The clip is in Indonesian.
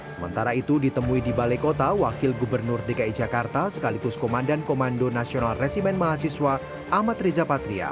sementara itu ditemui di balai kota wakil gubernur dki jakarta sekaligus komandan komando nasional resimen mahasiswa ahmad riza patria